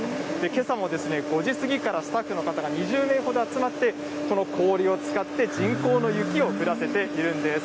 けさも５時過ぎからスタッフの方が２０名ほど集まってこの氷を使って、人工の雪を降らせているんです。